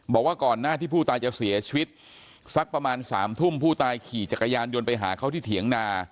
บอกว่าก่อนหน้าที่ผู้ตายจะเสียชีวิตสักประมาณ๓ทุ่มผู้ตายขี่จักรยานยนต์ไปหาเขาที่เถียงนา